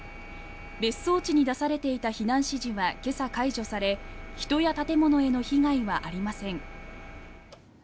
別荘地に出されていた避難指示は今朝、解除され人や建物への被害はありません。